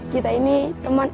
kita ini teman